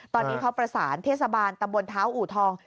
ตอนนี้เขาประสานเทศบาลตำบลเท้าอูทอง